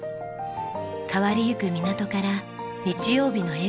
変わりゆく港から日曜日の笑顔を守りたい。